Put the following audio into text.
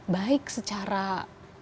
baik secara dia sebagai seorang pemerintah